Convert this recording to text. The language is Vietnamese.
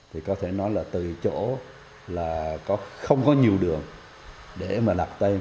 thì có thể nói là từ chỗ là không có nhiều đường để mà đặt tên